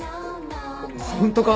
ホントか！？